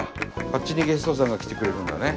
あっちにゲストさんが来てくれるんだね。